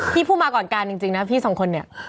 พูดมาก่อนการจริงนะพี่สองคนเนี่ย